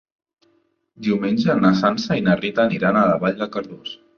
Diumenge na Sança i na Rita aniran a Vall de Cardós.